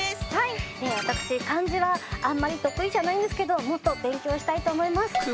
はいわたくし漢字はあんまり得意じゃないんですけどもっと勉強したいと思います。